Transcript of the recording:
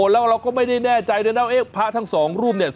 แล้วเราก็ไม่ได้แน่ใจด้วยนะเอ๊ะพระทั้งสองรูปเนี่ย